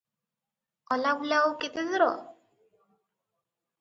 ଅଲାବୁଲା ଆଉ କେତେ ଦୂର?